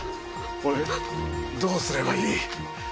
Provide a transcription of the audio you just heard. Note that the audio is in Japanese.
俺どうすればいい？